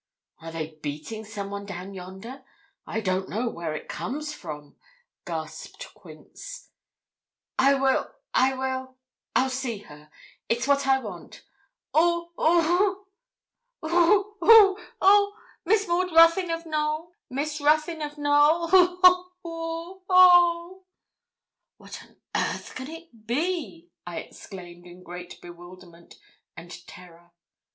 'Are they beating some one down yonder? I don't know where it comes from,' gasped Quince. 'I will I will I'll see her. It's her I want. Oo hoo hoo hoo oo o Miss Maud Ruthyn of Knowl. Miss Ruthyn of Knowl. Hoo hoo hoo hoo oo!' 'What on earth can it be?' I exclaimed, in great bewilderment and terror.